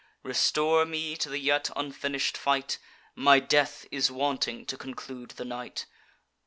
Restore me to the yet unfinish'd fight: My death is wanting to conclude the night.